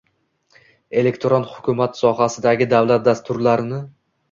elektron hukumat sohasidagi davlat dasturlarini